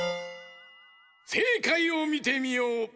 せいかいをみてみよう！